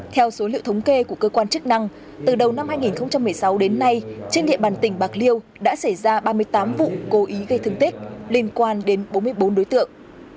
theo số liệu thống kê của cơ quan chức năng từ đầu năm hai nghìn một mươi sáu đến nay trên địa bàn tỉnh bạc liêu đã xảy ra ba mươi tám vụ cố ý gây thương tích liên quan đến bốn mươi bốn đối tượng